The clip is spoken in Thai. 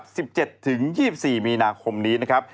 สิบเจ็ดถึง๒๔มีนาคมนี้นะครับ